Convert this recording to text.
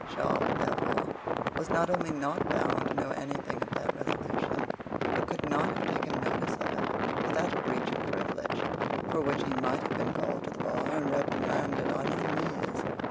Sharp, therefore, was not only not bound to know anything of that resolution, but could not have taken notice of it without a breach of privilege for which he might have been called to the bar and reprimanded on his knees.